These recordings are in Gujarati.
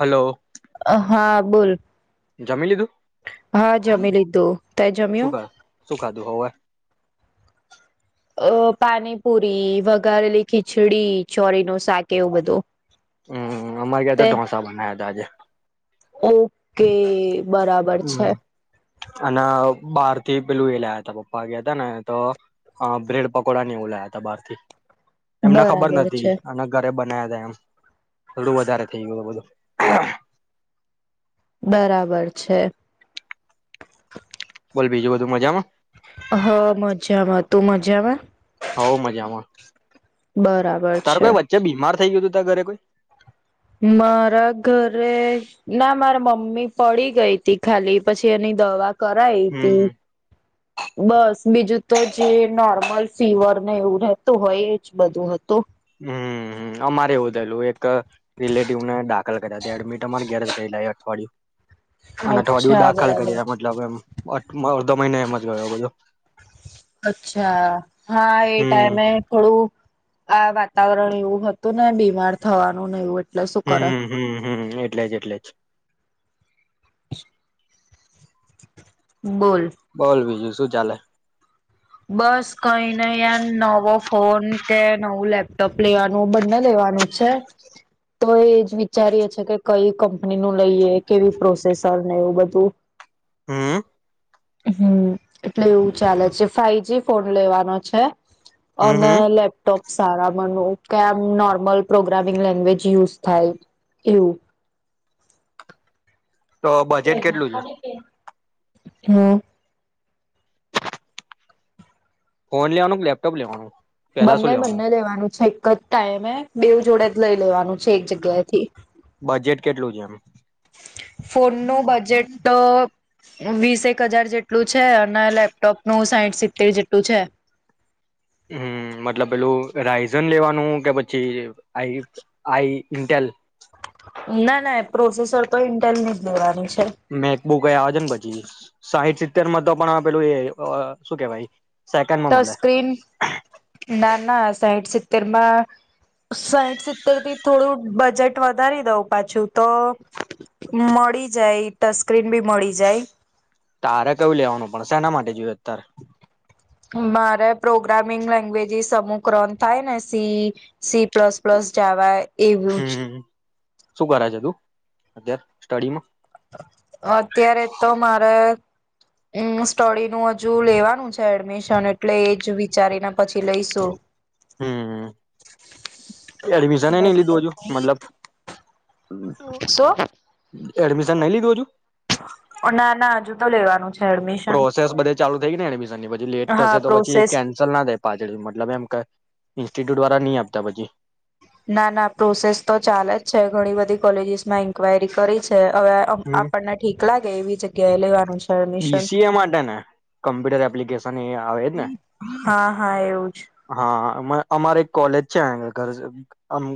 હલો અ હા. બોલ. જમી લીધું. હા જમી લીધું તે શું જમ્યું કર શું ખાધું હોવે અ પાણીપુરી વઘારેલી ખીચડી ચોરી નુ શાક એવું બધું હમ અમારે ગ્યાં તો તે ઢોસા બનાવ્યા હતા આજે. ઓકે બરાબર છે. હમ તે પેલું એ લાયા હતા પપ્પા ગયા હતા ને તો, બ્રેડ પકોડા ને એવું લાયા ત બારથી. એમને ખબર બરાબર નથી છે અને ઘરે બ ના હતા એમ, થડું વધારે થઈ ગયું બધું. બરાબર છે. બોલ બીજું બધું મજામાં? હા મજામાં તું મજામાં? હોવ મજામાં, બરાબર તાર છે કોઈ વચ્ચે બીમાર થઈ ગયું હતું ત ઘરે કોઈ. મારા ઘરે ના મારા મમ્મી પડી ગઈ ત ખાલી પછી એની દવા કર એ હતી. હમ બસ બીજું તો જે નોર્મલ ફીવરને એવું રહેતું હોય એજ બધું હતું. હમ અમારે એવું થયેલું એક, રિલેટિવને દાખલ કર્યા એડમિટ અમારે ઘેર રહેલા અઠવાડિયું. અને થોડી દવું અચ્છા દાખલ બરાબર કરી મતલબ એમ મહિને એમજ ગયો બજો. અચ્છા હા એ હમ ટાઈમે થોડું આ વાતાવરણ એવું હતું ને બીમાર થવાનું ને એવું એટલે શું કરે હમમ હમ હમ. એટલે જ એટલે જ. [inaudible] બોલ. બોલ બીજું શું ચાલે? બસ કઈ નને ય નવો ફોન કે નવું લેપટોપ લેવાનું બંને લેવાનું છે તો એજ વિચારીએે છે, કે કઈ કંપની નું લઈએ કેવી પ્રોસેસર ને એવું બધું. હમ. હમ એટલે એવું ચાલે છે. ફઇવ જી ફોન લેવાનો છે. ઓન હમ હમ લ ટોપ સારા બનવ કેમ નોર્મલ પ્રોગ્રામિંગ લેંગવેજ યુઝ થાય એવું. તો બજેટ કેટલું છે? હમ. ફોન લેવાનું કે લેપટોપ લેવાનું? પેલા બંને શું બંને લેવાનું છે એક જ ટાઈમે બેવ જોડે જ લઈ. લેવાનું છે એક જગ્યા થી. બજેટ કેટલું છે એમ ફોન નું બજેટ તો વીસેક હજાર જેટલું છે, અને લેપટોપ નું સાહીઠ સિત્તેર જેટલું છે. હમ મતલબ પેલું રાયઝન લેવાનું કે પછી આ આઈ ઇન્ટેલ. ના ના પ્રોસેસર તો ઇન્ટેલ ની જ લેવાની છે. મે કબુ કઈ આવે છે ને પછી સાહીઠ સિત્તેર માં તો પણ પેલું એ શું કેવાય સેકન્ડમાં મળે તસ્ક્રીન ના ના સાઈઠ સિતતેર માં સાઈઠ સિત્તેર થી થોડું બજેટ વધારી દઉં પાછું તો મળી જાય તસ્કરીન બી મળી જાય તારે કયું લેવાનું પણ શના માટે જોયું અત્યારે મારે પ્રોગ્રામિંગ લેંગ્વેજસ સમમુકરણ થાય ને C C plus plus Java એવું જ હમ શું કરાય છે તું અતાર સ્ટડીમાં અત્યારે તો મારે સ્ટડીનું હજુ લેવાનું છે એડમિશન એટલે એજ વિચારીને પછી લઈશું હમ્ એડમિશન નઈ લીધું હજુ મતલબ શું એડમિશન નહી લીધું હજુ ના ના હ જુ તો લેવાનો પ્રોસેસ બધે ચાલુ થઈ ગ ને એડમિશ પછી લેટ થશે હા તો પછી પ્રોસેસ કેન્સલ ના થાય પાછળ મતલબ એમ ઇન્સ્ટિટ્યુટ દ્વારા નહી આપતા પછી ના ના પ્રોસેસ તો ચાલે જ છે ઘણી બધી કોલેજીસ માં ઈનક્વાયરી કરી છે. અવે આપણને ઠીક લાગે એવી ગ લેવાનું છે એડમિશન બીસીએ માટે ને કમ્પ્યુટર એપ્લિકેશન એ આવે ને હા હા એવું જ હા હા અ અમારે એક કોલેજ છે ઘર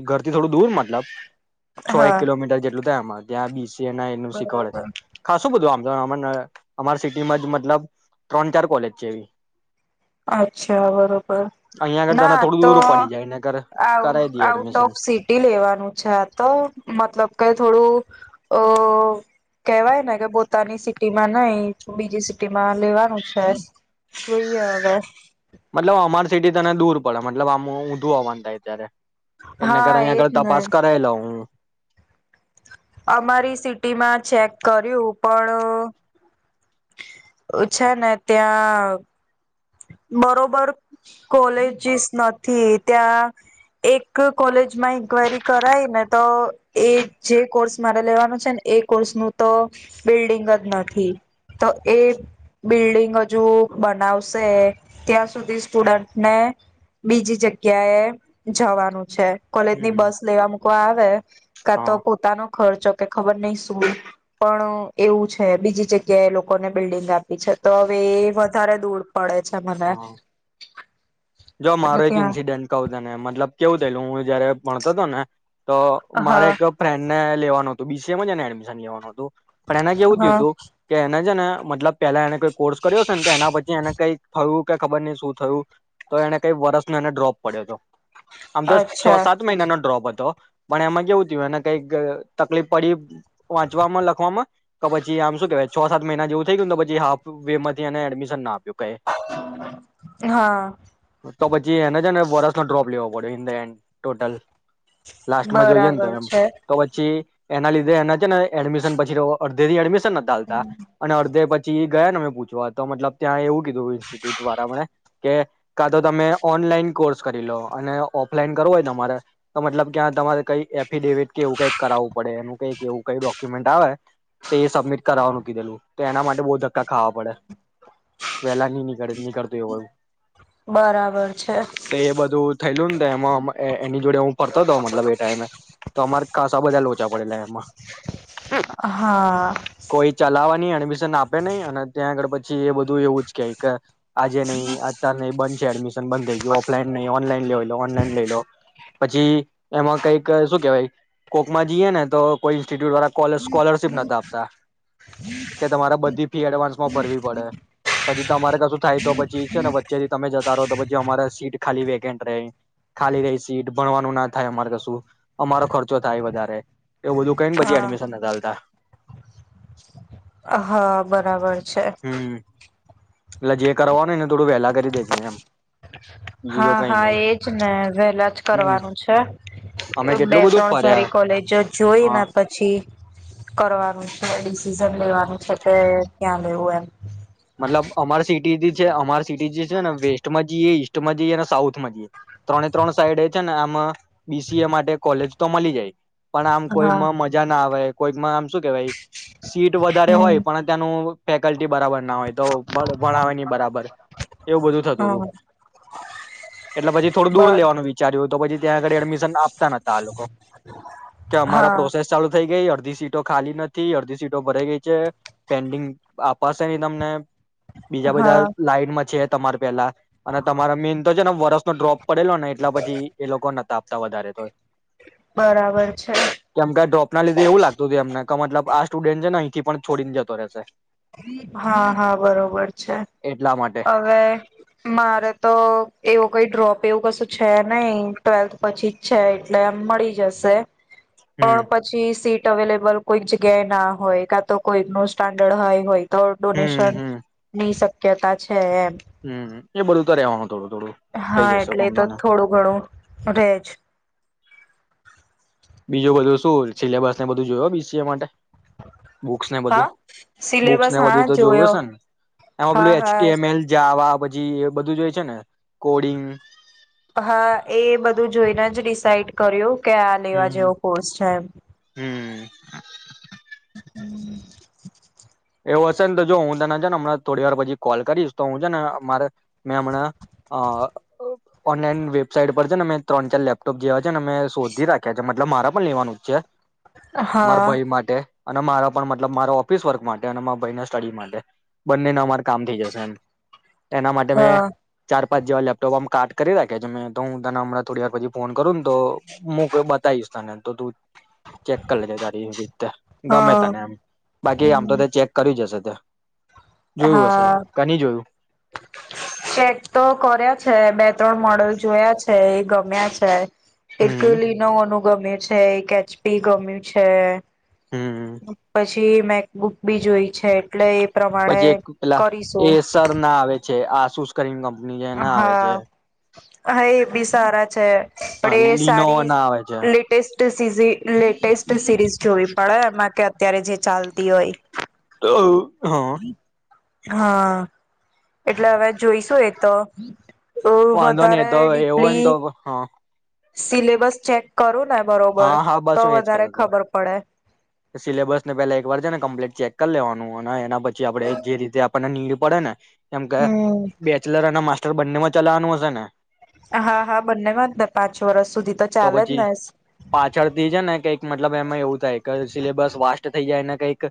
ઘરથી થોડું દૂર મતલબ છ એક હા કિલોમીટર જેટલું માં ત્યાં બીસ ના એનું શીખવાડે છે બરાબર ખ શું બધું આમ ન અમારા સિટીમાં જ મતલબ ત્રણ ચાર કોલેજ છે એવી અચ્છા બરોબર અહિયાં આગળ તને ના થોડું તો દૂર પડી જાય એને કર કરાવી દઈએ આઉટ એડમિશન ઓફ સિટી લેવાનું છે આ તો મતલબ કે થોડું અ કેવાય ને કે પોતાની સિટી માં નઈ બીજી સિટીમાં લેવાનું છે. જોઈએ હવે મતલબ અમારે સિટી તને દૂર પડે મતલબ આમ ઊંધું હોવાનું થાય અત્યારે એના કર હા અહીં એજ આગળ ને તપાસ કરાયેલો હ અમારી સિટીમાં ચેક કર્યું પણ ઓછા ને ત્યાં બરોબર કોલેજીસ નથી ત્યાં એક કોલેજમાં ઇન્ક્વાયરી કરાય ને તો એ જે કોર્સ મારે લેવાનો છે ને એ કોર્સ નું તો બિલ્ડિંગ જ નથી તો એ બિલ્ડિંગ હજુ બનાવ સે ત્યાં સુધી સ્ટુડન્ટ ને બીજી જગ્યા એ જવાનું છે. કોલેજ ની બસ લેવા મ ક આવે ક તો હા પોતાનો ખર્ચો કે ખબર નહી શું પણ એવું છે બીજી જગ્યાએ લોકોને બિલ્ડિંગ આપી છે તો હવે એ વધારે દૂર પડે છે મને હા જો એટલે મારો એક ત્યાં ઇન્સીડેન્ટ કવુ તને મતલબ કેવું પેલું હું જયારે ભણતો હતો ને તો મારે હા એક ફ્રેન્ડ ને લેવાનું હ તો બીસીએમાં જ એને એડમિશન લેવાનો હતું પણ એને કેવું થયું હા હતું કે એના છે ને મતલબ પહેલા એને કોઈ કોર્સ કર્યો છે ને તો એના પછી એને કઈક થયું કે ખબર નહી શું થયું તો એને કઈ વરસનો એને ડ્રોપ પડ્યો હતો. આમ તો અચ્છા છ સાત મહિના નો ડ્રોપ હતો. પણ એમાં કેવું થયું એને કઈક તકલીફ પડી વાંચવામાં લખવામાં કે પછી આમ શું કેવાય છ સાત મહિના જેવું થઈ ગયુંને તો પછી હાફ વે માંથીને એડમિશન ના આપ્યું કઈ. હા તો પછી એને છને વરસનો ડ્રોપ લેવો પડ્યો ઇન ધ એન્ડ ટોટલ. લાસ્ટમાં જોઈએ ન તો બરાબર એમ છે તો પછી એના લીધે એના છે ને એડમિશન પછી અ અડધેથી એડમિશન સનલતા અને અડધે પછ જી દૂધ વારા મેં કે કા તો તમે ઓનલાઈન કોર્સ કરી લો અને ઓફલાઈન કરવું હોય તમારે તો મતલબ કે તમારે કઈ એફિડેવિટ કે એવું કઈક કરાવવું પડે એ કઈક એવું કઈ ડોક્યુમેન્ટ આવે તો એ સબમિટ કરાવા નુ કીધેલું તો એના માટે બઉુ ધક્કા ખાવા પડે વહેલા નઈ ની જડ ની કરતે હો બરાબર છે. બધું થયેલું એમાં અ એની જોડે હું ફરતો હતો તો મતલબ એ ટાઈમે તો અમાર ખાસ બધા લોચા પડેલા એમાં. હા. એમિશન આપે નહીં અને ત્યાં આગળ પછી એ બધું એવું જ કેય કે આજે નહી અતારે નહી બંધ છે એડમિશન બંધ થઈ ગયું ઓફલાઈન નહી ઓનલાઈન લઈ લો ઓનલાઈન લઈ લો પછી એમાં કઈક શું કેવાય કોકમાં જઈએ ને તો કોઈ ઇન્સ્ટિટ્યુટ વાળા સ્કોલર સ્કોલરશીપ નત આપતા કે તમારે બધી ફી એડવાન્સમાં ભરવી પડે પછી તમારે કશું થાય તો પછી છે ને વચ્ચે થી તમે જતા રહો તો પછી અમારે સીટ ખાલી વેકેન્ટ રેય ખાલી રહી સીટ ભણવાનું ના થાય અમારે કશું અમારો ખર્ચો થાય વધારે. એવ બધું કઈ પછી હા એડમિશન નતા આલતા. હા બરાબર છે. હમ એટલે જે કરવાનું એને થોડું વેલા કરી દેજે એમ. બીજું તો હા કઈ હા નઈ એજ ને વહેલા જ હમ કરવાનું છે અમે બે કેટલું બધું ત્રણ ફર્યા સારી કોલેજો જોઈ હા ને પછી કરવાનું છે ડિસી લેવાનું છે કે ત્યાં એ મતલબ અમારે સ સ છે અમાર સિટી જે છે ને વેસ્ટમાં જઈએ ઈસ્ટમાં જઈએ અને સાઉથ માં જઈએ ત્રણે ત્રણ સાઈડ છે ને આમાં બીસીએ માટે કોલેજ તો મળી જાય પણ આમ એમ કોઈ હા માં મજા ના આવે કોઈક માં આમ શું કે ભાઈ સીટ વધારે હમ હોય પણ ત્યાનું ફેકલ્ટી બરાબર. હોય તો ભણાવ નહી બરાબર એવું બધું થતું હતું હા એટલે પછી થોડું દૂર બર લેવાનું વિચાર્યું તો પછી ત્યાં આગળ એડમિશન આપતા નતા આ લોકો કે અમારા પ્રોસેસ હા ચાલુ થઈ ગઈ અડધી સીટો ખાલી નથી અડધી સીટો ભરાઈ ગઈ છે. પેન્ડિંગ આપપાસ. તમને બીજા બધા હા લાઈટમાં છે તમારે પેલા અને તમારે મેન તો જ. વર્ નનો ડ્રોપ પડેલો ને એટલા પછી એ લોકો નતા વધારે તોય બરાબર છે કેમ કે ડ્રોપ ના લીધે એવું લાગતું હત એમને મતલબ આ સ્ટુડન્ટ છે ન થી પણ છોડી ને જતો રહેશે હા હા બરોબર છે એટલા માટે હવે મારે તો એવું કઈ ડ્રોપ એવું કશું છે નહી [unintelligible] પછી જ છે. એટલે એમ મળી જશે હમ પણ પછી સીટ અવેલેબલ કોઈક જગ્યાએ ના હોય કા તો કોઈ નું સ્ટાન્ડર્ડ હોય હોય તો હમ ડોનેશન હમ મહી શક કેતા છે એ હમ એ બધું તો રેવાનું થોડું થોડું થઈ હા જશે એટલે તો વાંધોને થોડું ઘણું રેજ બીજું બધું શું સિલેબસ ને બધું જોયયો બીસી માટે. બુક્સને બધું હા સિલેબસ બુક્સને હા બધું તો જોયું જોયો હશે ને એમાં પલું હા હા એચમલ પછી બધું જોય છે ને કોડિંગ હા એ બધું જોઈને જ ડિસાઈડ કર્યું કયા લેવા હમ જેવો કોર્સ છે એમ હમ હમ એવું હશે ને તો જો હું તને છે ને હમણાં થોડી વાર પછી કોલ કરીશ તો હું છે ને અમારે મેં હમણા અ ઓનલાઈન વેબસાાઈટ પર છે ને મેં ત્રણ ચાર લેપટોપ જેવા છે. અમે શોધી રાખ્યા. એટલે મારે પણ લેવાનું જ છે. મારા હા ભાઈ માટે. અને મારા પણ મતલબ મારા ઓફિસ વર્ક માટે. મારા ભાઈ સ્ટડી માટે બંનેને અમારે કામ થઈ જશે એમ. એના માટે મેં હા ચાર. પાંચ જેવા લેપટોપમાં કટ કરી રાખે છે મેં તો હું ત હણાં થોડી વાર પછી ફોન કર. તો હું કોઈ બતાવીશ. તને તો તું. ચેક કરી લેજે તારી રી ગમે હા તને એમ બાકી આમ તો. હમ ચેક કરી હશે તે જોયું હશે હા કેની જોયું. ચેક તો કર્યા છે બે. ત્રણ મોડલ જોયા છે એ. ગમ્યા છે. એક હમ લીનોવોનુગમે એ છે. છે એક એચપી ગમ્યું છે. હમ પછી. મેકબુક બી જોઈ છે એટલે. પછી એક પ્રમાણે પેલા કરીશું એસર ના આવે છે આસુસ કરીંગમ. ની જે ના આવે છે. હા હા એ બી સારા. છે હા પણ એ લીનોવો સારી ના આવે છે લેટેસ્ટ. તે સીઝી. લેટેસ્ટ સિરીઝ જોવી પડે એમાં કે. અત્યારે જે ચાલતી હોય. તો. હા. હા એટલે હવે જોઈશું એ તો. વાંધો નહી તો વધારે એવોને તો ડીપલી હા. સિલેબસ ચેક કરો. હા હા બસ હું એજ કતો હતો પડે. સિલેબસ ને પેલા એક વાર છે ને કમ્પ્લીટ. ચેક કર લેવાનું અને એના પછી આપડે જે રીતે આપને ની પડે ને, કેમ કે હમ્મ. બેચલર અને મા બંને માં ચલાવાનું હશે ને હા હા બંને વાંધ પાંચ વરષ તો પછી પાછળથીઈ જ ને કઈક મ મતબ એમાં એવું સિલેબસ વાસ્ટ થઈ જાય ને કઈક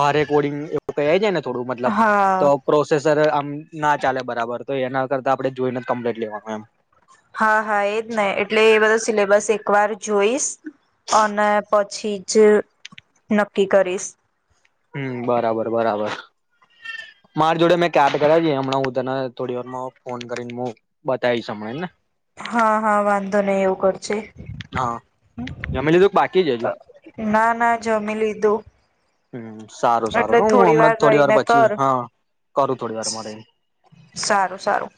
બાર રેકોર્ડિંગ એવું ક જાય ને થોડું મતલબ તો હા પ્રોસેસ. સર, આમ ના ચાલે બરાબર તો એના કરતા આપણે જોઈને કમ્પ્લીટ લેવાનું એમ હા હા એજ ને એટલે એ બધો સિલેબસ એકવાર જોઈશ અને પછી જ નક્કી કરીશ હમ, બરાબર બરાબર મારી જોડે મેં કટ કરાવી હમણાં હું તને થોડી વાર ફોન કરીને હું, બતાવીશ હમણાં ને હા હા વાંધો નહી એવું કરજ હા જમી લીધું કે બાકી જ હજુ ના ના જમી લીધું હમ સારું સારું એટલે તો હું હમણાં થોડી વાર રહીને પછી કર હા કરું થોડી વાર મારે સારું સારું